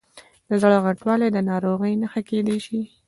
د زړه غټوالی د ناروغۍ نښه کېدای شي.